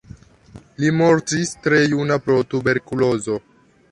Li mortis tre juna pro tuberkulozo.